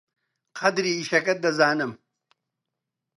قەدری ئیشەکەت دەزانم.